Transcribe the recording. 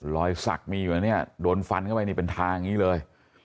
รอยสักมีอยู่นะเนี่ยโดนฟันเข้าไปนี่เป็นทางอย่างนี้เลย